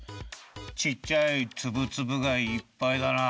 ちっちゃいツブツブがいっぱいだな。